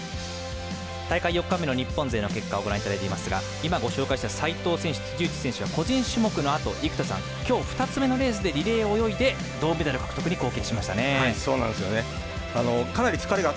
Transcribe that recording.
大会４日目の日本勢の結果をご覧いただいていますが今ご紹介した齋藤選手と辻内選手は個人種目のあと、生田さん今日２つ目のレースでリレーを泳いで銅メダル獲得に貢献しましたね。